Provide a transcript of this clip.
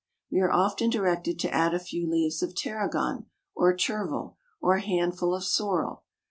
We are often directed to add a few leaves of tarragon, or chervil, or a handful of sorrel.